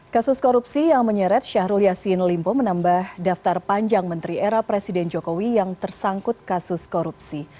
kasus korupsi yang menyeret syahrul yassin limpo menambah daftar panjang menteri era presiden jokowi yang tersangkut kasus korupsi